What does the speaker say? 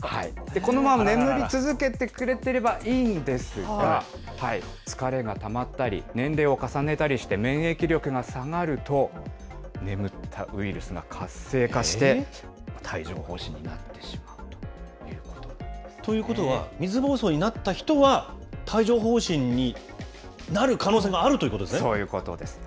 このまま眠り続けてくれていればいいんですが、疲れがたまったり、年齢を重ねたりして免疫力が下がると、眠ったウイルスが活性化して帯状ほう疹になってしまうということということは、水ぼうそうになった人は帯状ほう疹になる可能性があるということそういうことです。